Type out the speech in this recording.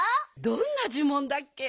どんなじゅもんだっけ？